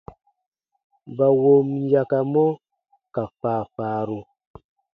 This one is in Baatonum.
Ba wom yakamɔ ka faafaaru.